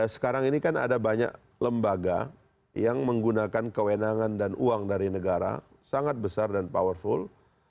sekarang ini kan ada banyak lembaga yang menggunakan kewenangan dan uang dari negara sangat besar dan powerful